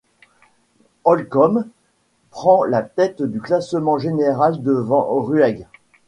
Holcomb prend la tête du classement général devant Rüegg.